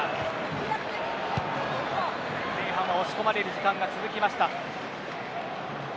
前半は押し込まれる時間が続きました。